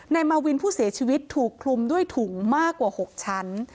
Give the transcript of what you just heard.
มาวินผู้เสียชีวิตถูกคลุมด้วยถุงมากกว่า๖ชั้น